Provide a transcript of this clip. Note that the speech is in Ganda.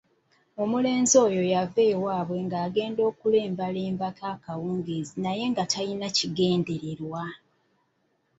Omulenzi oyo yava ewaabwe n’agenda okulembalembako akawungeezi naye nga talina kigendererwa.